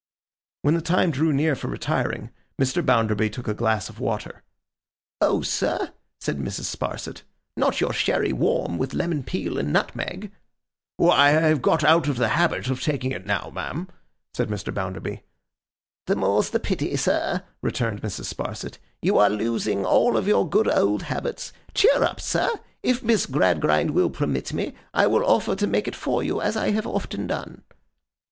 When the time drew near for retiring, Mr. Bounderby took a glass of water. 'Oh, sir?' said Mrs. Sparsit. 'Not your sherry warm, with lemon peel and nutmeg?' 'Why, I have got out of the habit of taking it now, ma'am,' said Mr. Bounderby. 'The more's the pity, sir,' returned Mrs. Sparsit; 'you are losing all your good old habits. Cheer up, sir! If Miss Gradgrind will permit me, I will offer to make it for you, as I have often done.